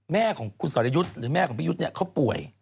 แม่ของคุณสรยุทธ์หรือแม่ของพี่ยุทธ์เขาป่วย